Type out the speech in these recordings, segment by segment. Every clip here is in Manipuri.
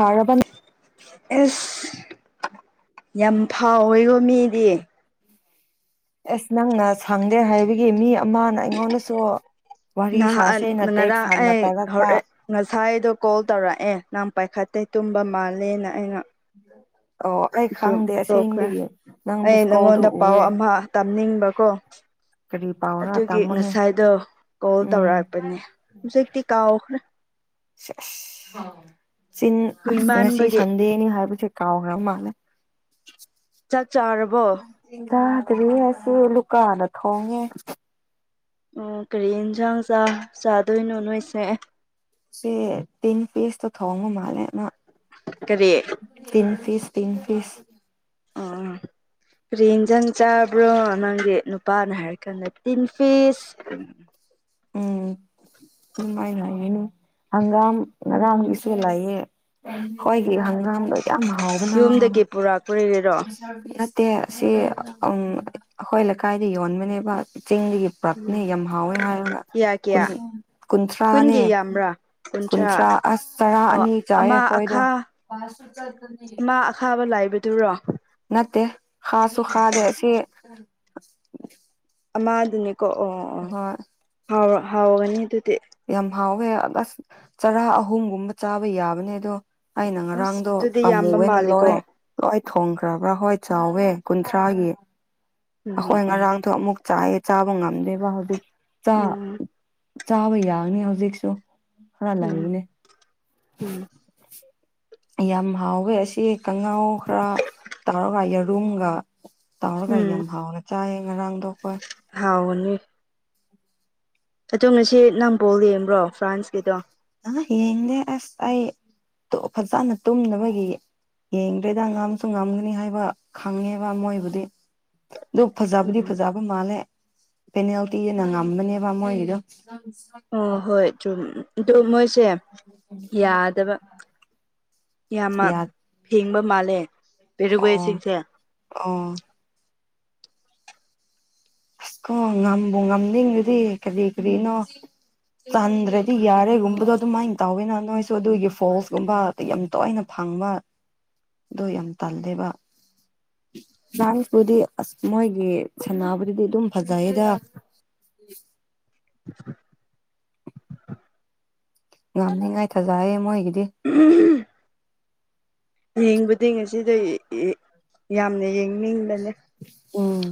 ꯊꯥꯔꯕꯅꯤ ꯑꯦꯁ ꯌꯥꯝ ꯐꯥꯎ ꯍꯦꯀꯣ ꯃꯤꯗꯤ꯫ ꯑꯦꯁ ꯅꯪꯅ ꯁꯥꯡꯗꯦ ꯍꯥꯏꯕꯒꯤ ꯃꯤ ꯑꯃꯅ ꯑꯩꯉꯣꯟꯗꯁꯨ꯫ ꯋꯥꯔꯤ ꯅꯍ ꯁꯥꯁꯦꯅ ꯇꯦꯛꯁ ꯉꯥꯔꯥꯡ ꯍꯥꯟꯅ ꯑꯩ ꯇꯧꯔꯛꯄ ꯍꯧꯔꯛꯑꯦ ꯉꯁꯥꯏꯗꯣ ꯀꯣꯜ ꯇꯧꯔꯛꯑꯦ ꯅꯪ ꯄꯥꯏꯈꯠꯇꯦ ꯇꯨꯝꯕ ꯃꯥꯜꯂꯦꯅ ꯑꯩꯅ [inaudible] ꯑꯩ ꯑꯗꯨꯝ ꯈꯪꯗꯦ ꯇꯣꯛꯈ꯭ꯔꯦ ꯑꯁꯦꯡꯕꯒꯤ ꯅꯪ ꯑꯩ ꯃꯤꯁꯀꯣꯜꯗꯨ ꯅꯉꯣꯟꯗ ꯄꯥꯎ ꯎꯑꯦ ꯑꯃ ꯇꯝꯅꯤꯡꯕꯀꯣ꯫ ꯀꯔꯤ ꯄꯥꯎꯔꯥ ꯑꯗꯨꯒꯤ ꯇꯥꯃꯣꯅꯦ ꯉꯁꯥꯏꯗꯣ ꯀꯣꯜ ꯎꯝ ꯇꯧꯔꯛꯄꯅꯦ ꯍꯧꯖꯤꯛꯇꯤ ꯀꯥꯎꯈ꯭ꯔꯦ꯫ ꯑꯁ ꯆꯤꯟ ꯑꯁ ꯉꯁꯤ ꯀꯨꯏꯃꯥꯟꯕꯒꯤ ꯁꯟꯗꯦꯅꯤ ꯍꯥꯏꯕꯁꯨ ꯀꯥꯎꯒ꯭ꯔ ꯃꯥꯜꯅꯦ ꯆꯥꯛ ꯆꯥꯔꯕꯣ꯫ ꯆꯥꯥꯗ꯭ꯔꯤ ꯑꯩꯁꯤ ꯂꯨꯀꯥꯗ ꯊꯣꯡꯉꯦ꯫ ꯎꯝ ꯀꯔꯤ ꯌꯦꯟꯁꯥꯡ ꯆꯥꯗꯣꯏꯅꯣ ꯅꯣꯏꯁꯦ꯫ ꯁꯤ ꯇꯤꯟ ꯄꯤꯁꯇꯣ ꯊꯣꯡꯕ ꯃꯥꯂꯦ ꯑꯃ ꯀꯔꯤ꯫ ꯇꯤꯟ ꯄꯤꯁ ꯇꯤꯟ ꯄꯤꯁ꯫ ꯑꯥ꯫ ꯀꯔꯤ ꯌꯦꯟꯖꯥꯡ ꯆꯥꯕ꯭ꯔꯣ ꯅꯪꯒꯤ ꯅꯨꯄꯥꯅ ꯍꯥꯏꯔ ꯀꯥꯟꯗ ꯇꯤꯟ ꯐꯤꯁ꯫ ꯎꯝ ꯑꯗꯨꯃꯥꯏꯅ ꯍꯥꯏꯒꯅꯨ ꯍꯪꯒꯥꯝ ꯉꯔꯥꯡꯒꯤꯁꯨ ꯂꯩꯌꯦ ꯑꯩꯈꯣꯏꯒꯤ ꯍꯪꯒꯥꯝ ꯌꯨꯝꯗꯒꯤ ꯄꯨꯔꯥ ꯀꯨꯏꯔꯦꯔꯣ ꯅꯠꯗꯦ ꯁꯤ ꯑꯩꯈꯣꯏ ꯂꯩꯀꯥꯏꯗ ꯌꯣꯟꯕꯅꯦꯕ ꯆꯤꯡꯗꯒꯤ ꯄ꯭ꯔꯞꯅꯦ ꯌꯥꯝ ꯍꯥꯎꯋꯦ ꯍꯥꯏꯔꯒ ꯀꯌꯥ ꯀꯌꯥ ꯀꯨꯟꯀꯨꯟꯊ꯭ꯔꯥꯅꯦ ꯀꯨꯟꯒꯤ ꯌꯥꯝꯕ꯭ꯔꯥ ꯀꯨꯟꯊ꯭ꯔꯥ ꯑꯁ ꯆꯔꯥ ꯑꯣ ꯑꯅꯤ ꯆꯥꯏ ꯑꯃ ꯑꯩꯈꯣꯏꯗꯣ꯫ ꯊꯥꯕ ꯂꯥꯏꯕꯗꯨꯔꯣ ꯅꯠꯇꯦ ꯍꯁꯨ ꯍꯗꯦ ꯑꯁꯤ ꯑꯃꯗꯨꯅꯤꯀꯣ ꯑꯣ ꯑꯣ ꯍꯣꯏ ꯍꯥꯎ ꯍꯥꯎꯒꯅꯤ ꯑꯗꯨꯗꯤ꯫ ꯌꯥꯝ ꯍꯥꯎꯋꯦ ꯑꯁ ꯆꯔꯥ ꯑꯍꯨꯝꯒꯨꯝꯕ ꯆꯥꯕ ꯌꯥꯕꯅꯦ ꯑꯗꯣ꯫ ꯑꯩꯅ ꯑꯁ ꯉꯔꯥꯡꯗꯣ ꯑꯗꯨꯗꯤ ꯌꯥꯝꯕ ꯑꯃꯨꯌꯦꯅ ꯃꯥꯜꯂꯤꯀꯣ ꯂꯣꯏ ꯂꯣꯏ ꯊꯣꯡꯈ꯭ꯔꯕ꯭ꯔꯥ ꯍꯣꯏ ꯆꯥꯎꯋꯦ ꯀꯨꯟꯊ꯭ꯔꯥꯒꯤ ꯎꯝ ꯑꯩꯈꯣꯏ ꯎꯝ ꯉꯔꯥꯡꯗꯣ ꯑꯃꯨꯛ ꯆꯥꯏꯌꯦ ꯆꯥꯕ ꯉꯝꯗꯦꯕ ꯍꯧꯖꯤꯛ ꯎꯝ ꯆꯥꯕ ꯌꯥꯅꯤ ꯍꯧꯖꯤꯛꯁꯨ ꯈꯔ ꯎꯝ ꯂꯩꯕꯅꯦ ꯎꯝ [unintelligible] ꯌꯥꯝ ꯍꯥꯎꯋꯦ ꯑꯁꯤ ꯀꯉꯥꯎ ꯈꯔ ꯇꯧꯔꯒ ꯌꯦꯔꯨꯝꯒ ꯇꯧꯔꯒ ꯎꯝ ꯌꯥꯝ ꯍꯥꯎꯅ ꯆꯥꯏꯌꯦ ꯉꯔꯥꯡꯗꯣ ꯑꯩꯈꯣꯏ ꯍꯥꯎꯕꯅꯤ ꯑꯗꯣ ꯉꯁꯤ ꯅꯪ ꯕꯣꯜ ꯌꯦꯡꯕ꯭ꯔꯣ ꯐ꯭ꯔꯥꯟꯁꯀꯤꯗꯣ ꯑ ꯌꯦꯡꯗꯦ ꯑꯁ ꯑꯩ ꯐꯖꯅ ꯇꯨꯝꯗꯕꯒꯤ ꯌꯦꯡꯗꯦꯗ ꯉꯝꯁꯨ ꯉꯝꯒꯅꯤ ꯍꯥꯏꯕ ꯈꯪꯉꯦꯕ ꯃꯣꯏꯕꯨꯗꯤ ꯑꯗꯨ ꯐꯖꯥꯕꯗꯤ ꯎꯝ ꯐꯖꯥ ꯃꯥꯜꯂꯦ ꯄꯦꯅꯥꯜꯇꯤꯅ ꯉꯝꯕꯅꯦꯕ ꯃꯣꯏꯒꯤꯗꯣ ꯑꯣ ꯍꯣꯏ ꯆꯨꯝ ꯑꯗꯨꯨ ꯃꯣꯏꯁꯦ ꯌꯥꯗꯕ ꯌꯥꯝꯃꯛ ꯌꯥ ꯐꯦꯡꯕ ꯃꯥꯜꯂꯦ ꯑꯣ ꯄꯦꯔꯨꯒꯣꯏꯁꯤꯡꯁꯦ ꯑꯣ ꯑꯁ ꯀꯣ ꯉꯝꯕꯨ ꯉꯝꯅꯤꯡꯉꯗꯤ ꯀꯔꯤ ꯀꯔꯤꯅꯣ ꯆꯟꯗ꯭ꯔꯗꯤ ꯌꯥꯔꯦꯒꯨꯝꯕꯗꯣ ꯑꯗꯨꯃꯥꯏꯅ ꯇꯧꯋꯤꯅ ꯅꯣꯏꯁꯨ ꯑꯗꯨꯒꯤ ꯐꯣꯁꯀꯨꯝꯕ ꯌꯥꯝ ꯇꯣꯏꯅ ꯐꯪꯕ ꯑꯗꯨꯣ ꯌꯥꯝ ꯇꯜꯂꯦꯕ ꯅꯍꯥꯟꯕꯨꯗꯤ ꯑꯁ ꯃꯣꯏꯒꯤ ꯁꯅꯥꯕꯨꯗꯨꯗꯤ ꯑꯗꯨꯝ ꯐꯖꯩꯗ [unintelligible] ꯉꯝꯅꯤꯉꯥꯏ ꯊꯖꯩꯌꯦ ꯃꯣꯏꯒꯤꯗꯤ ꯎꯝ [unintelligible] ꯌꯦꯡꯕꯗꯤ ꯉꯁꯤꯗꯩ ꯌꯥꯝꯅ ꯌꯦꯡꯅꯤꯡꯕꯅꯦ ꯎꯝ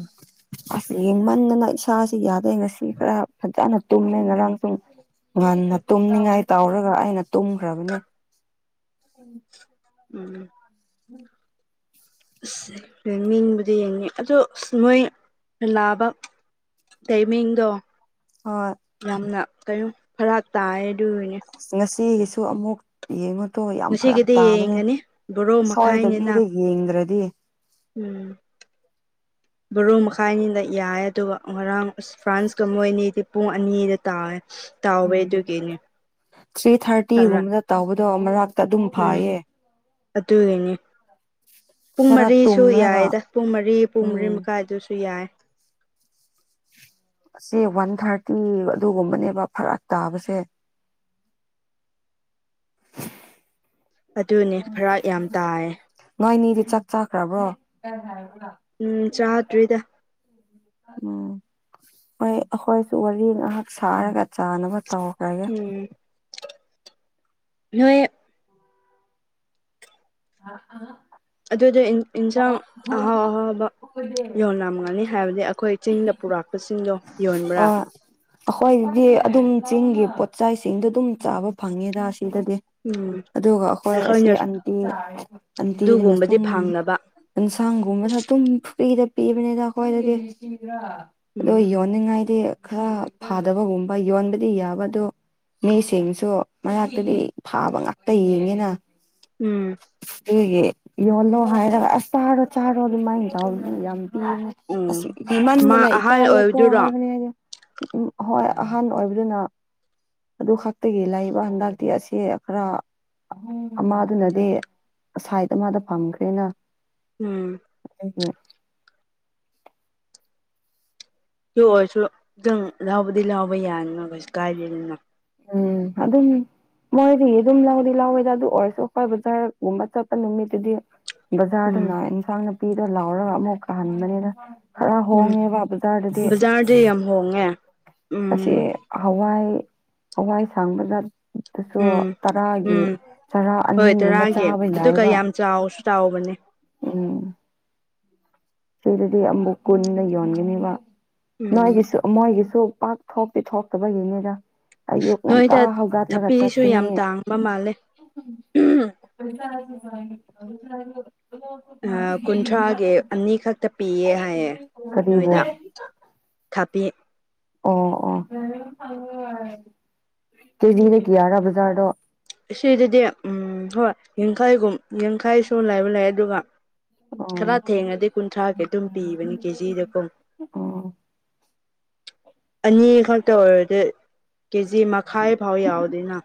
ꯑꯁ ꯌꯦꯡꯃꯟꯗꯅ ꯏꯁꯥꯁꯤ ꯌꯥꯗꯦ ꯉꯁꯤ ꯈꯔ ꯐꯖꯅ ꯇꯨꯝꯃꯦ ꯉꯔꯥꯡ ꯁꯨꯡ ꯉꯟꯅ ꯇꯨꯝꯅꯤꯡꯉꯥꯏ ꯇꯧꯔꯒ ꯑꯩꯅ ꯇꯨꯝꯈ꯭ꯔꯕꯅꯦ ꯎꯝ ꯎꯝ [unintelligible] ꯑꯁ ꯌꯦꯡꯅꯤꯡꯕꯗꯤ ꯌꯦꯡꯅꯤ ꯑꯗꯣ ꯅꯣꯏ ꯂꯥꯕ ꯇꯥꯏꯃꯤꯡꯗꯣ ꯍꯣꯏ ꯌꯥꯝꯅ ꯀꯩꯅꯣ ꯈꯔ ꯇꯥꯏ ꯑꯗꯨꯒꯤꯅꯦ ꯉꯁꯤꯒꯤꯁꯨ ꯑꯃꯨꯛ ꯌꯦꯡꯉꯣꯇꯣ ꯌꯥꯝ ꯐꯔꯛ ꯉꯁꯤꯒꯤꯗꯤ ꯇꯥꯕꯅꯦ ꯌꯦꯡꯒꯅꯤ ꯕꯣꯔꯣ ꯃꯈꯥꯏꯅꯤꯅ ꯁ꯭ꯌꯥꯏꯗꯕꯤꯔꯤ ꯌꯦꯡꯗ꯭ꯔꯗꯤ ꯎꯝ ꯕꯥꯔꯣ ꯃꯈꯥꯏ ꯑꯅꯤꯗ ꯌꯥꯏ ꯑꯗꯨꯒ ꯉꯔꯥꯡ ꯑꯁ ꯐ꯭ꯔꯥꯟꯁꯀ ꯃꯣꯏ ꯑꯅꯤꯗꯤ ꯄꯨꯡ ꯑꯅꯤꯗ ꯇꯥꯏꯌꯦ ꯎꯝ ꯊ꯭ꯔꯤ ꯈꯔ ꯊꯥꯔꯇꯤꯒꯨꯝꯕꯗ ꯇꯧꯕꯗꯣ ꯃꯔꯥꯛ ꯎꯝ ꯑꯗꯨꯒꯤꯅꯤ ꯄꯨꯡ ꯈꯔ ꯃꯔꯤꯁꯨ ꯇꯨꯝꯔꯒ ꯌꯥꯏꯗ ꯄꯨꯡ ꯃꯔꯤ ꯄꯨꯡ ꯃꯔꯤ ꯎꯝ ꯃꯈꯥꯏ ꯑꯗꯨꯁꯨ ꯌꯥꯏ ꯑꯁꯤ ꯋꯥꯟ ꯊꯥꯔꯇꯤ ꯑꯗꯨꯒꯨꯝꯕꯅꯦꯕ ꯐꯔꯛ ꯇꯥꯕꯁꯦ ꯑꯗꯨꯅꯦ ꯐꯔꯥꯛ ꯌꯥꯝ ꯇꯥꯏꯌꯦ ꯅꯣꯏꯅꯦꯗꯤ ꯆꯥꯛ ꯆꯥꯈ꯭ꯔꯕ꯭ꯔꯣ ꯎꯝ ꯆꯥꯗꯔꯤꯗ ꯎꯝ ꯍꯣꯏ ꯑꯩꯈꯣꯏꯁꯨ ꯋꯥꯔꯤ ꯉꯥꯏꯍꯥꯛ ꯁꯥꯔꯒ ꯆꯥꯅꯕ ꯇꯧꯈ꯭ꯔꯒꯦ ꯎꯝ ꯅꯣꯏ ꯑ ꯑꯥ ꯑꯗꯨꯗꯣ ꯏꯟꯁꯥꯡ ꯑꯍꯥꯎ ꯑꯍꯥꯎꯕ ꯌꯣꯜꯂꯝꯒꯅꯤ ꯍꯥꯏꯕꯗꯤ ꯑꯩꯈꯣꯏ ꯆꯤꯡꯗ ꯄꯨꯔꯛꯄꯁꯤꯡꯗꯣ ꯌꯣꯟꯕ꯭ꯔꯥ ꯍꯣꯏ ꯑꯩꯈꯣꯏꯗꯤ ꯑꯗꯨꯝ ꯆꯤꯡꯒꯤ ꯄꯣꯠꯆꯥꯏꯁꯤꯡꯗꯣ ꯑꯗꯨꯝ ꯆꯥꯕ ꯐꯪꯉꯦꯗ ꯁꯤꯗꯗꯤ ꯎꯝ ꯑꯗꯨꯒ ꯑꯩꯈꯣꯏ ꯑꯁꯤ ꯑꯩꯈꯣꯏꯅ ꯑꯟꯇꯤ ꯑꯟꯇꯤꯗꯅ ꯑꯗꯨꯒꯨꯝꯕꯗꯤ ꯁꯨꯝ ꯐꯪꯅꯕ ꯑꯦꯟꯁꯥꯡꯒꯨꯝꯕꯗ ꯑꯗꯨꯝ ꯐ꯭ꯔꯤꯗ ꯄꯤꯕꯅꯤꯅ ꯑꯩꯈꯣꯏꯗꯒꯤ ꯑꯗꯣ ꯎꯝ ꯌꯣꯟꯅꯤꯡꯉꯥꯏꯗꯤ ꯈꯔ ꯐꯥꯗꯕꯒꯨꯝꯕ ꯌꯣꯟꯕꯗꯤ ꯌꯥꯕꯗꯣ ꯃꯤꯁꯤꯡꯁꯨ ꯃꯅꯥꯛꯇꯨꯗꯤ ꯐꯥꯕ ꯉꯥꯛꯇ ꯌꯦꯡꯉꯦꯅ ꯎꯝ ꯑꯗꯨꯒꯤ ꯌꯣꯜꯂꯣ ꯍꯥꯏꯔꯒ ꯑꯁ ꯆꯥꯔꯣ ꯆꯥꯔꯣ ꯑꯗꯨꯃꯥꯏꯅ ꯇꯧ ꯌꯥꯝ ꯄꯤꯉ ꯎꯝ ꯑꯁ ꯃꯥ ꯏꯃꯅꯅꯥꯏ ꯑꯍꯜ ꯑꯣꯏꯕꯗꯨꯔꯣ ꯎꯝ ꯍꯣꯏ ꯑꯍꯥꯟꯕ ꯑꯣꯏꯕꯗꯨꯅ ꯑꯗꯨ ꯈꯛꯇꯒꯤ ꯂꯏꯕ ꯍꯟꯗꯛꯇꯤ ꯑꯁꯤ ꯈꯔ ꯑꯃꯗꯨꯅꯗꯤ ꯁꯥꯏꯗ ꯃꯥꯗ ꯐꯪꯈ꯭ꯔꯦꯅ ꯎꯝ ꯎ ꯍꯝ ꯁ ꯑꯣꯏꯔꯁꯨ ꯈꯤꯇꯪ ꯂꯥꯎꯕꯗꯤ ꯂꯍꯥꯎꯕ ꯌꯥꯅꯤꯅꯈꯣꯏꯁꯨ ꯀꯥꯏꯗꯅꯤꯅ ꯎꯝ ꯑꯗꯨ ꯑꯗꯨ ꯃꯣꯏꯗꯤ ꯑꯗꯨꯝ ꯂꯥꯎꯗꯤ ꯂꯥꯎꯋꯦꯗ ꯑꯗꯨ ꯑꯣꯏꯔꯁꯨ ꯑꯩꯈꯣꯏ ꯕꯖꯥꯔꯒꯨꯝꯕ ꯆꯠꯄ ꯅꯨꯃꯤꯠꯇꯨꯗꯤ ꯎꯝ ꯕꯖꯥꯔꯗꯨꯅ ꯏꯟꯁꯥꯡ ꯅꯥꯄꯤꯗꯣ ꯂꯥꯎꯔꯒ ꯑꯃꯨꯛ ꯀꯥꯍꯟꯕꯅꯤꯅ ꯈꯔ ꯍꯣꯡꯉꯦꯕ ꯕꯖꯥꯔꯗꯗꯤ ꯝ ꯍꯣꯡꯉꯦ ꯑꯁꯤ ꯎꯝ ꯍꯋꯥꯏ ꯍꯋꯥꯏ ꯁꯥꯡꯕꯗ ꯑꯗꯨꯁꯨ ꯎꯝ ꯇꯔꯥꯒꯤ ꯎꯝ ꯆꯔꯥ ꯍꯣꯏ ꯑꯅꯤꯒꯨꯝꯕ ꯇꯔꯥꯒꯤ ꯆꯥꯕ ꯑꯗꯨꯒ ꯌꯥꯏꯕ ꯌꯥꯝ ꯆꯥꯎꯁꯨ ꯇꯥꯎꯕꯅꯦ ꯎꯝ ꯁꯤꯗꯗꯤ ꯑꯃꯨꯛ ꯀꯨꯟꯅ ꯌꯣꯟꯒꯅꯤꯕ ꯎꯝ ꯅꯣꯏꯒꯤꯁꯨ ꯃꯣꯏꯒꯤꯁꯨ ꯄꯥꯛ ꯊꯣꯛꯇꯤ ꯊꯣꯛꯇꯕꯒꯤꯅꯤꯗ ꯑꯣꯛ ꯅꯪ ꯀ ꯅꯣꯏꯗ ꯍꯧꯒꯗꯂꯒ ꯍꯥꯠ ꯊꯕꯤꯁꯨ ꯌꯥꯝ ꯆꯇꯅꯤ ꯇꯥꯡꯕ ꯃꯥꯜꯂꯦ ꯄꯖ ꯀꯨꯟꯊ꯭ꯔꯥꯒꯤ ꯑꯅꯤꯈꯛꯇ ꯄꯤꯌꯦ ꯍꯥꯏꯌꯦ ꯀꯔꯤꯕꯨ ꯅꯣꯏꯗ ꯈꯕꯤ ꯑꯣ ꯑꯣ ꯀꯦꯖꯤꯗ ꯀꯌꯥꯔꯥ ꯕꯖꯥꯔꯗꯣ ꯁꯤꯗꯗꯤꯝ ꯍꯣꯏ ꯌꯥꯡꯈꯥꯏꯒꯨꯝ ꯌꯥꯡꯈꯥꯏꯁꯨ ꯂꯥꯏꯕ ꯂꯥꯛꯑꯦ ꯑꯗꯨꯒ ꯈꯔ ꯑꯣ ꯊꯦꯡꯉꯗꯤ ꯀꯨꯟꯊ꯭ꯔꯥꯒꯤ ꯑꯗꯨꯝ ꯄꯤꯕꯅꯤ ꯀꯦꯖꯤꯗ ꯀꯨꯝ ꯑꯣ ꯑꯅꯤ ꯈꯛꯇ ꯑꯣꯏꯔꯗꯤ ꯀꯦꯖꯤ ꯃꯈꯥꯏ ꯐꯥꯎ ꯌꯥꯎꯗꯣꯏꯅ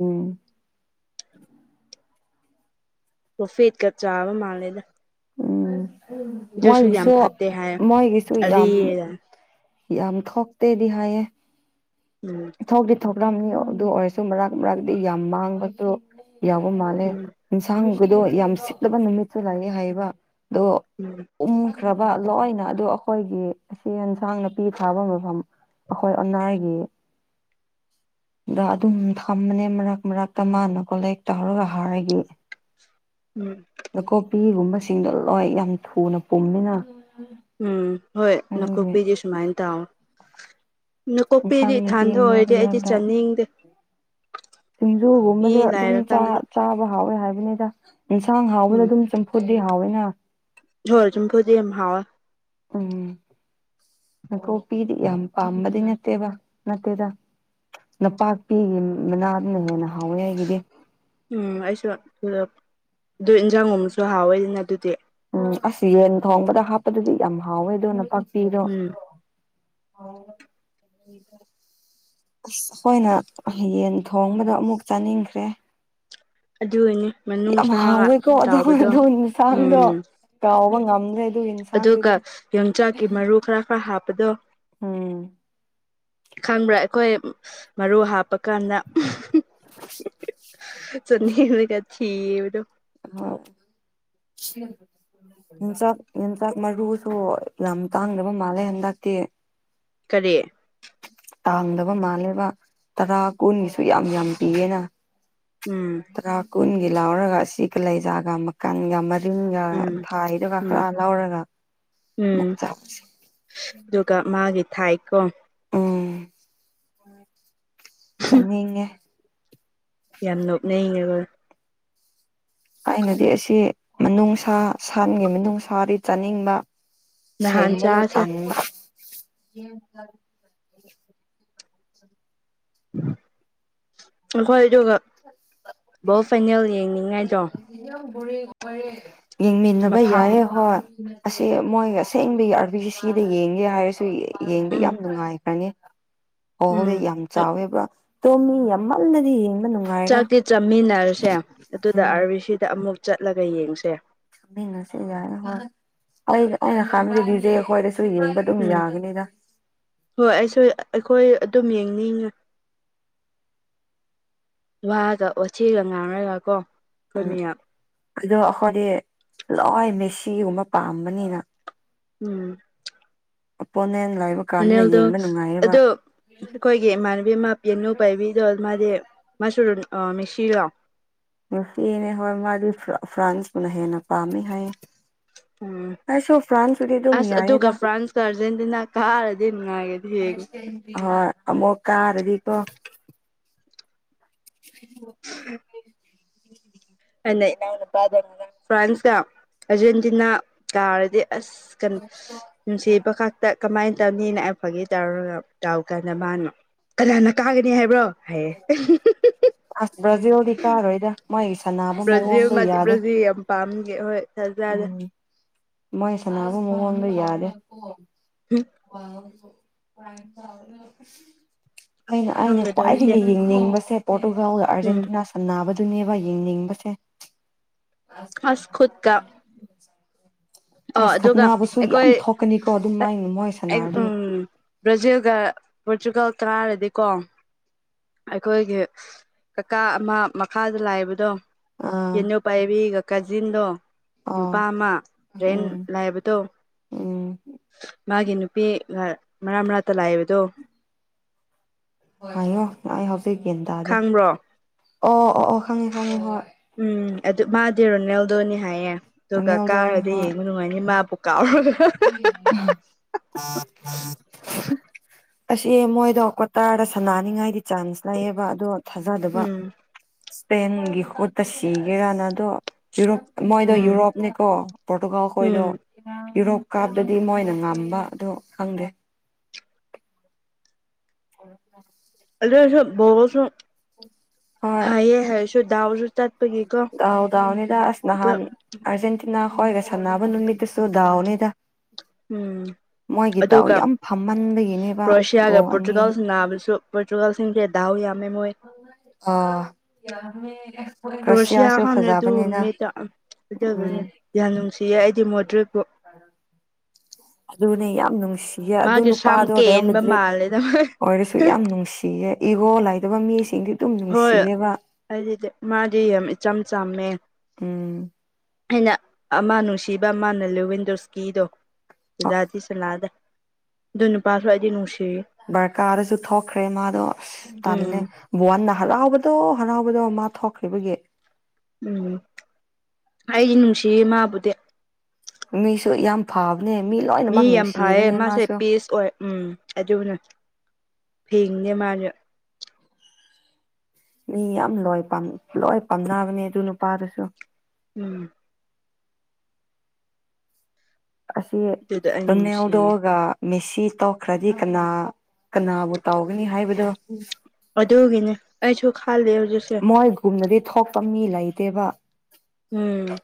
ꯎꯝ ꯣꯐꯦꯠꯀ ꯆꯥꯕ ꯃꯥꯜꯂꯦꯗ ꯎꯝ ꯑꯗꯨꯁꯨ ꯌꯥꯝ ꯃꯣꯏꯒꯤꯁꯨ ꯐꯠꯇꯦ ꯍꯥꯏ ꯃꯣꯏꯒꯤꯁꯨ ꯌꯥꯝ ꯑꯔꯤ ꯎꯝ ꯌꯥꯝ ꯊꯣꯛꯇꯦꯗꯤ ꯍꯥꯏꯌꯦ ꯎꯝ ꯊꯣꯛꯇꯤ ꯊꯣꯛꯇ꯭ꯔꯕꯅꯤ ꯑꯗꯨ ꯑꯣꯏꯔꯁꯨ ꯃꯔꯛ ꯃꯔꯥꯛꯛꯇꯤ ꯌꯥꯝ ꯃꯥꯡꯕꯁꯨ ꯌꯥꯎꯕ ꯃꯥꯜꯂꯦ ꯎꯝ ꯌꯦꯟꯁꯥꯡꯒꯤꯗꯣ ꯌꯥꯝ ꯁꯤꯠꯂꯕ ꯅꯨꯃꯤꯠꯁꯨ ꯂꯩꯥꯛꯑꯦ ꯍꯥꯏꯌꯦꯕ ꯑꯗꯣ ꯎꯝ ꯎꯝꯈ꯭ꯔꯕ ꯂꯣꯏꯅ ꯑꯗꯨ ꯑꯩꯈꯣꯏꯒꯤ ꯆ ꯑꯦꯟꯁꯥꯡ ꯅꯥꯄꯤ ꯊꯥꯕ ꯃꯐꯝ ꯑꯩꯈꯣꯏ ꯑꯅꯥꯒꯤ ꯗ ꯑꯗꯨꯝ ꯊꯃꯅꯦ ꯃꯔꯛ ꯃꯔꯛꯇ ꯃꯥꯅꯀꯣꯂ ꯇꯧꯍꯔꯒ ꯍꯥꯏꯔꯒꯦ ꯎꯝ ꯅꯥꯀꯣꯄꯤꯒꯨꯝꯕꯁꯤꯡꯗꯣ ꯂꯣꯏ ꯌꯥꯝ ꯊꯨꯅ ꯄꯨꯝꯃꯤꯅ ꯎꯝ ꯍꯣꯏ ꯑꯗꯨꯒꯤ ꯅꯀꯣꯛꯄꯤꯁꯦ ꯁꯨꯃꯥꯏꯅ ꯇꯥꯎꯑꯣ ꯅꯀꯨꯞꯄꯤꯗꯤ ꯏꯟꯁꯥꯡ ꯅꯥꯄꯤ ꯏꯊꯥꯟꯗ ꯃꯔꯛ ꯑꯣꯏꯔꯗꯤ ꯑꯩꯗꯤ ꯃꯔꯛꯇ ꯆꯥꯅꯤꯡꯗꯦ ꯃꯤ ꯁꯤꯡꯖꯨꯒꯨꯝꯕꯗ ꯑꯗꯨꯝ ꯂꯥꯏꯔꯀꯥꯟꯗꯒ ꯆꯥꯕ ꯍꯥꯎꯋꯦ ꯍꯥꯏꯕꯅꯤꯗ ꯌꯦꯟꯁꯥꯡ ꯍꯥꯎꯕꯗ ꯎꯝ ꯑꯗꯨꯝ ꯈꯨꯨꯗꯤ ꯍꯥꯋꯦꯅ ꯖꯣꯔ ꯖꯥꯝꯐꯨꯠꯇꯤ ꯌꯥꯝ ꯍꯥꯎꯋꯦ ꯎꯝ ꯅꯀꯣꯛꯄꯤꯗꯤ ꯌꯥꯝ ꯄꯥꯝꯕꯗꯤ ꯅꯠꯇꯦꯕ ꯅꯠꯇꯦꯗ ꯅꯄꯥꯛꯄꯤꯒꯤ ꯃꯅꯥꯗꯨꯅ ꯍꯦꯟꯅ ꯍꯥꯎꯋꯦ ꯑꯩꯒꯤꯗꯤ ꯎꯝ ꯑꯩꯁꯨ ꯑꯗꯨ ꯏꯟꯖꯥꯡꯒꯨꯝꯕꯁꯨ ꯍꯥꯎꯋꯦꯗꯅ ꯑꯗꯨꯗꯤ ꯎꯝ ꯑꯁ ꯌꯦꯟ ꯊꯣꯡꯕꯗ ꯍꯥꯞꯄꯗꯨꯗꯤ ꯌꯥꯝ ꯍꯥꯎꯋꯦ ꯑꯗꯨ ꯅꯄꯥꯛꯄꯤꯗꯣ ꯎꯝ [unintelligible] ꯑꯁ ꯑꯩꯈꯣꯏꯅ ꯌꯦꯟ ꯊꯣꯡꯕꯗꯣ ꯑꯃꯨꯛ ꯆꯥꯅꯤꯡꯈ꯭ꯔꯦ ꯑꯗꯨꯅꯦ ꯌꯥꯝ ꯍꯥꯎꯋꯦꯀꯣ ꯑꯗꯨ ꯑꯗꯨ ꯏꯟꯁꯥꯡꯗꯣ ꯎꯝ ꯀꯥꯎꯕ ꯉꯝꯗ꯭ꯔꯦ ꯑꯗꯨ ꯑꯗꯨꯒ ꯌꯦꯟꯁꯥꯡꯗꯨꯗꯤ ꯌꯣꯡꯆꯥꯛꯀꯤ ꯃꯔꯨ ꯈꯔ ꯈꯔ ꯍꯥꯞꯄꯗꯣ ꯎꯝ ꯈꯪꯕ꯭ꯔꯥ ꯑꯩꯈꯣꯏ ꯃꯔꯨ ꯍꯥꯞꯄ ꯀꯥꯟꯗ ꯆꯅꯤꯡꯉꯒ ꯊꯤꯕꯗꯣ [unintelligible] ꯌꯣꯡꯆꯥꯛ ꯌꯣꯡꯆꯥꯛ ꯃꯔꯨꯁꯨ ꯌꯥꯝ ꯇꯥꯡꯗꯕ ꯃꯥꯜꯂꯦ ꯍꯟꯗꯛꯇꯤ ꯀꯔꯤ ꯇꯥꯡꯗꯕ ꯃꯥꯜꯂꯦꯕ ꯇꯔꯥ ꯀꯨꯟꯒꯤꯁꯨ ꯌꯥꯝ ꯌꯥꯝ ꯄꯤꯌꯦꯅ ꯎꯝ ꯇꯔꯥ ꯀꯨꯟꯒꯤ ꯂꯥꯎꯔꯒ ꯑꯁꯤ ꯀꯂꯦꯖꯥꯒꯥ ꯃꯀꯟꯒ ꯃꯥ ꯇꯤꯡꯒ ꯎꯝ ꯐꯥꯏꯗꯨꯒ ꯎꯝ ꯈꯔ ꯂꯧꯔꯒ ꯎꯝ ꯑꯃꯨꯛ ꯆꯥꯁꯤ ꯑꯗꯨꯒ ꯃꯥꯒꯤ ꯊꯥꯏꯀꯣ ꯆꯅꯤꯡꯉꯦ ꯌꯥꯝ ꯅꯣꯛꯅꯤꯡꯉꯦꯕ ꯑꯩꯅꯗꯤ ꯁꯤ ꯃꯅꯨꯡꯁꯥ ꯁꯟꯒꯤ ꯃꯅꯨꯡꯁꯥꯗꯤ ꯆꯥꯅꯤꯡꯕ ꯅꯍꯥꯟ ꯁꯦꯝꯕꯗꯨ ꯆꯥꯁꯦ ꯇꯟꯕ ꯑꯩꯈꯣꯏ ꯑꯗꯨꯒ ꯕꯣꯜ ꯐꯥꯏꯅꯦꯜ ꯌꯦꯡꯅꯤꯡꯉꯥꯏꯗꯣ ꯌꯦꯡꯃꯤꯟꯅꯕ ꯃꯐꯝ ꯌꯥꯏꯌꯦ ꯍꯣꯏ ꯑꯁꯤ ꯃꯣꯏꯒ ꯑꯁꯦꯡꯕꯒꯤ ꯑꯥꯔꯕꯤꯁꯤ ꯁꯤꯗ ꯌꯦꯡꯒꯦ ꯍꯥꯏꯔꯁꯨ ꯌꯦꯡꯕ ꯎꯝ ꯌꯥꯝ ꯅꯨꯡꯉꯥꯏꯈꯔꯅꯦ ꯎꯝ ꯕꯣꯜꯗꯤ ꯌꯥꯝ ꯆꯥꯎꯋꯦꯕ꯭ꯔꯥ ꯇꯣꯝ ꯃꯤ ꯌꯥꯝꯃꯜꯂꯗꯤ ꯌꯦꯡꯕ ꯅꯨꯡꯉꯥꯏꯔꯣꯏ ꯆꯥꯃꯤꯟꯅꯔꯨꯁꯦ ꯑꯗꯨꯗ ꯎꯝ ꯑꯥꯔꯕꯤ ꯁꯤꯗ ꯑꯃꯨꯛ ꯆꯠꯂꯒ ꯌꯦꯡꯁꯦ ꯃꯤꯟꯅꯁꯤ ꯌꯥꯏ ꯍꯣꯏ ꯑꯩ ꯑꯩꯅ [unintelligible] ꯑꯩꯈꯣꯏꯗꯁꯨ ꯌꯦꯡꯕꯗ ꯑꯗꯨꯝ ꯎꯝ ꯌꯥꯒꯅꯤꯗ ꯍꯣꯏ ꯑꯩꯁꯨ ꯑꯩꯈꯣꯏ ꯑꯗꯨꯝ ꯌꯦꯡꯅꯤꯡꯉꯤ ꯋꯥꯒ ꯑꯣꯆꯤꯒ ꯉꯡꯔꯒ ꯀꯣ ꯑꯩꯈꯣꯏ ꯎꯝ ꯃꯌꯥꯝ ꯑꯗꯣ ꯑꯩꯈꯣꯏꯗꯤ ꯂꯣꯏ ꯃꯦꯁꯤꯒꯨꯝꯕ ꯄꯥꯝꯕꯅꯤꯅ ꯎꯝ ꯄꯣꯅꯦꯟ ꯂꯩꯕ ꯀꯥꯟꯗ ꯔꯣꯅꯦꯜꯗꯣ ꯌꯦꯡꯕ ꯅꯨꯡꯉꯥꯏꯌꯦꯕ ꯑꯗꯣ ꯑꯩꯈꯣꯏꯒꯤ ꯏꯃꯥꯟꯅꯕꯤ ꯑꯃ ꯄꯤꯌꯥꯅꯨ ꯄꯥꯏꯕꯤꯗꯣ ꯃꯥꯗꯤ ꯃꯁꯨ ꯃꯦꯁꯤꯔꯣ ꯃꯦꯁꯤꯅꯦ ꯍꯣꯏ ꯃꯥꯗꯤ ꯐ꯭ꯔꯥꯟꯁꯄꯨꯅ ꯍꯦꯟꯅ ꯄꯥꯝꯃꯤ ꯍꯥꯏꯌꯦ ꯎꯝ ꯑꯩꯁꯨ ꯐ꯭ꯔꯥꯟꯁ ꯄꯨꯗꯤ ꯑꯗꯨꯝ ꯌꯥꯏꯗ ꯑꯔꯖꯦꯟꯇꯤꯟꯅꯥ ꯀꯥꯔꯗꯤ ꯅꯨꯉꯥꯏꯔꯦ ꯑꯥ ꯑꯃꯨꯛ ꯀꯥꯔꯗꯤ ꯀꯣ [unintelligible] [unintelligible] ꯑꯩꯅ ꯏꯅꯥꯎꯅꯨꯄꯥꯒꯅ ꯐ꯭ꯔꯥꯟꯁꯀ ꯑꯔꯖꯦꯟꯇꯤꯅꯥ ꯇꯥꯔꯗꯤ ꯑꯁ ꯅꯨꯡꯁꯤꯕꯉꯥꯛꯇ ꯀꯃꯥꯏꯟ ꯇꯧꯅꯤꯅ ꯑꯩ ꯐꯥꯒꯤ ꯇꯧꯔꯒ ꯇꯥꯎꯀꯥꯟꯗ ꯃꯥꯅ ꯀꯅꯥꯅ ꯀꯥꯒꯅꯤ ꯍꯥꯏꯕ꯭ꯔꯣ ꯍꯥꯏꯌꯦ ꯑꯁ ꯕ꯭ꯔꯥꯖꯤꯜꯗꯤ ꯀꯥꯔꯣꯏꯗ ꯃꯣꯏꯒꯤ ꯁꯥꯟꯅꯕ ꯃꯑꯣꯡꯗꯣ ꯌꯥꯗꯦ ꯄꯥꯝꯗꯦ ꯍꯣꯏ ꯐꯖꯔꯦ ꯎꯝ ꯃꯣꯏ ꯁꯥꯟꯅꯕꯥ ꯃꯑꯣꯡꯗꯣ ꯌꯥꯗꯦ ꯎꯝ [unintelligible] ꯑꯩꯅ ꯑꯩꯅ ꯈꯪꯗꯦꯗ ꯑꯗꯨꯗꯤ ꯈ꯭ꯋꯥꯏꯗꯒꯤ ꯌꯦꯡꯅꯤꯡꯕꯁꯦ ꯄꯣꯔꯇꯨꯒꯥꯜꯒ ꯎꯝ ꯑꯥꯔꯖꯦꯟꯇꯤꯅꯥ ꯁꯥꯟꯅꯕꯗꯨꯅꯦꯕ ꯌꯦꯡꯅꯤꯡꯕꯁꯦ ꯑꯁ ꯈꯨꯨꯠꯇꯥ ꯑꯣ ꯑꯁ ꯑꯗꯨꯒ ꯈꯠꯅꯕꯁꯨ ꯑꯩꯈꯣꯏ ꯌꯥꯝ ꯊꯣꯛꯀꯅꯤꯀꯣ ꯑꯗꯨꯝ ꯃꯥꯏꯅ ꯃꯣꯏ [unintelligible] ꯁꯅꯥꯔꯗꯤ ꯎꯝ ꯕ꯭ꯔꯥꯖꯤꯜꯒ ꯄꯣꯔꯇꯨꯒꯜ ꯀꯥꯔꯗꯤꯀꯣ ꯑꯩꯈꯣꯏꯒꯤ ꯀꯥꯀꯥ ꯑꯃꯥ ꯃꯈꯥꯗ ꯂꯥꯏꯕꯗꯣ ꯑꯥ ꯀꯩꯅꯣ ꯄꯥꯏꯕꯤꯒ ꯀꯥꯖꯤꯟꯗꯣ ꯑꯣ ꯅꯨꯄꯥ ꯑꯃꯥ ꯔꯦꯟ ꯎꯝ ꯂꯩꯕꯗꯣ ꯎꯝ ꯃꯥꯒꯤ ꯅꯨꯄꯤꯒ ꯃꯔꯥꯛ ꯃꯔꯥꯛꯇ ꯂꯥꯛꯑꯦꯕꯗꯣ ꯍꯥꯏꯌꯣ ꯑꯩ ꯍꯧꯖꯤꯛ ꯒꯦꯟ ꯇꯥꯗꯦ ꯈꯪꯕ꯭ꯔꯣ ꯑꯣ ꯑꯣ ꯑꯣ ꯈꯪꯉꯦ ꯈꯪꯉꯦ ꯍꯣꯏ ꯎꯝ ꯑꯗꯨ ꯃꯥꯗꯤ ꯔꯣꯅꯦꯜꯗꯣꯅꯤ ꯍꯥꯏꯌꯦ ꯑꯗꯨꯒ ꯔꯣꯅꯦꯜꯗꯣꯅꯦ ꯀꯥꯔꯗꯤ ꯍꯣꯏ ꯌꯦꯡꯕ ꯅꯨꯡꯉꯥꯏꯅꯤ ꯃꯥꯕꯨ ꯀꯥꯎꯔꯒ [inaudible] ꯑꯁꯤ ꯃꯣꯏꯗꯣ ꯀ꯭ꯇꯥꯔꯗ ꯁꯥꯟꯅꯅꯤꯉꯥꯏꯗꯤ ꯆꯥꯟꯁ ꯂꯩꯌꯦꯕ ꯑꯗꯣ ꯊꯥꯖꯗꯕ ꯎꯝ ꯏꯁꯄꯦꯟꯒꯤ ꯈꯨꯠꯇ ꯁꯤꯒꯦꯔꯅ ꯑꯗꯣ ꯌꯨꯔꯣꯞ ꯃꯣꯏ ꯗꯣ ꯎꯝ ꯌꯨꯔꯣꯞꯅꯦ ꯀꯣ ꯄꯣꯔꯇꯨꯒꯜꯈꯣꯏꯗꯣ ꯎꯝ ꯌꯨꯔꯣꯞ ꯀꯥꯞꯇꯗꯤ ꯃꯣꯏꯅ ꯉꯝꯕ ꯑꯗꯨ ꯈꯪꯗꯦ [unintelligible] ꯑꯗꯨꯑꯣꯏꯁꯨ ꯕꯣꯜꯁꯨ ꯍꯣꯏ ꯍꯩꯏꯌꯦ ꯍꯥꯏꯁꯨ ꯗꯥꯎꯁꯨ ꯆꯠꯄꯒꯤꯀꯣ ꯗꯥꯎ ꯗꯥꯎ ꯅꯤꯗꯥꯥ ꯑꯁ ꯑꯗꯨ ꯅꯍꯥꯟ ꯑꯔꯖꯦꯟꯇꯤ ꯇꯤꯅꯥ ꯍꯣꯏꯒ ꯁꯥꯟꯅꯕ ꯅꯨꯃꯤꯠꯇꯨꯁꯨ ꯗꯥꯎꯅꯤꯗꯥ ꯎꯝ ꯑꯗꯨꯒ ꯌꯥꯝ ꯐꯝꯃꯟꯕꯒꯤꯅꯦꯕ ꯔꯣꯁꯤꯌꯥꯒ ꯒꯣꯜ ꯑꯅꯤ ꯄꯣꯔꯇꯨꯒꯜ ꯁꯅꯥꯕꯁꯨ ꯄꯣ꯭ꯔꯇꯨꯒꯜꯁꯤꯡꯁꯦ ꯗꯥꯎ ꯌꯥꯝꯃꯦ ꯃꯣꯏ ꯑꯥ [unintelligible] ꯀ꯭ꯔꯣꯁꯤꯌꯥ ꯈꯪ ꯑꯗꯨꯒꯨꯝꯕꯅꯦꯗ [unintelligible] ꯎꯝ ꯌꯥꯝ ꯅꯨꯡꯁꯤꯌꯦ ꯑꯩꯗꯤ ꯃꯣꯗ꯭ꯔꯦꯠꯄꯨ ꯑꯗꯨꯅꯦ ꯌꯥꯝ ꯅꯨꯡꯁꯤꯌꯦ ꯑꯗꯨ ꯃꯥꯒꯤ ꯁꯝ ꯅꯨꯄꯥꯗꯣ ꯔꯦꯌꯜ ꯀꯦꯟꯕ ꯃꯦꯗ꯭ꯔꯤꯛ ꯃꯥꯜꯂꯦꯗ ꯑꯣꯏꯔꯁꯨ ꯌꯥꯝ ꯅꯨꯡꯁꯤꯌꯦ ꯏꯒꯣ ꯂꯩꯇꯕ ꯃꯤꯁꯤꯡꯗꯤ ꯑꯗꯨꯝ ꯍꯣꯏ ꯅꯨꯡꯁꯤꯑꯦꯕ ꯑꯩꯗꯤ ꯃꯥꯗꯤ ꯌꯥꯝ ꯏꯆꯝ ꯆꯝꯃꯦ ꯎꯝ ꯑꯩꯅ ꯑꯃ ꯅꯨꯡꯁꯤꯕ ꯃꯥꯅ ꯂꯤꯋꯤꯟꯗꯣꯁꯀꯤ ꯗꯣ ꯁꯟꯅꯗꯤ ꯁꯟꯅꯗꯦ ꯑꯗꯨ ꯅꯨꯄꯥꯁꯨ ꯑꯩꯗꯤ ꯅꯨꯡꯁꯤꯔꯤ ꯕ꯭ꯔꯀꯥ ꯑꯗꯁꯨ ꯊꯣꯛꯈ꯭ꯔꯦ ꯃꯥꯗꯣ ꯇꯜꯂꯦ ꯎꯝ ꯕꯨꯋꯥꯟꯅ ꯍꯔꯥꯎꯕꯗꯣ ꯍꯔꯥꯎꯕꯗꯣ ꯃꯥ ꯊꯣꯛꯈ꯭ꯔꯤꯕꯒꯤ ꯎꯝ ꯑꯩꯗꯤ ꯅꯨꯡꯁꯤꯌꯦ ꯃꯥꯕꯨꯗꯤ ꯃꯤꯁꯨ ꯌꯥꯝ ꯐꯕꯅꯦ ꯃꯤ ꯂꯣꯏꯅꯃꯛ ꯌꯥꯝ ꯐꯩꯌꯦ ꯅꯨꯡꯁꯤꯕꯅꯦ ꯃꯥꯁꯦ ꯃꯥꯁꯨ ꯄꯤꯁ ꯑꯣꯏ ꯎꯝ ꯑꯗꯨꯅ ꯐꯦꯡꯅꯦ ꯃꯥꯁꯨ ꯃꯤ ꯌꯥꯝ ꯂꯣꯏ ꯄꯥꯝ ꯂꯣꯏ ꯄꯥꯝꯅꯕꯅꯦ ꯑꯗꯨ ꯅꯨꯄꯥꯗꯨꯁꯨ ꯎꯝ ꯑꯁꯤ ꯑꯗꯨꯗ ꯑꯩ ꯅꯨꯡꯁꯤꯌꯦ ꯔꯣꯅꯦꯜꯗꯣꯒ ꯃꯦꯁꯤ ꯇꯧꯈ꯭ꯔꯗꯤ ꯀꯅꯥ ꯀꯅꯥꯕꯨ ꯇꯧꯒꯅꯤ ꯍꯥꯏꯕꯗꯣ ꯑꯗꯨꯒꯤꯅꯦ ꯑꯩꯁꯨ ꯈꯜꯂꯤ ꯍꯧꯖꯤꯛꯁꯦ ꯃꯣꯏꯒꯨꯝꯅꯗꯤ ꯊꯣꯛꯄ ꯃꯤ ꯂꯩꯇꯦꯕ ꯎꯝ